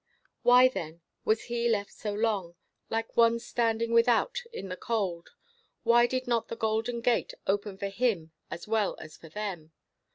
Why, then, was he left so long, like one standing without in the cold? Why did not the golden gate open for him as well as for them?